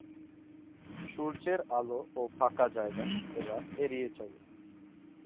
সূর্যের আলো ও ফাঁকা জায়গা এরা এড়িয়ে চলে।